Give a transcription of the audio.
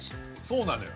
そうなのよ。